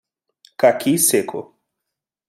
Caqui seco